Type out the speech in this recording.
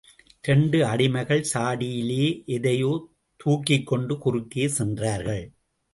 இரண்டு அடிமைகள் சாடியிலே எதையோ தூக்கிக்கொண்டு குறுக்கே சென்றார்கள்.